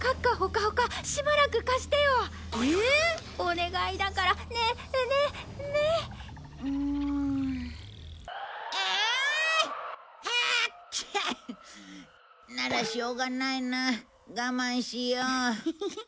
ハークション！ならしょうがないな我慢しよう。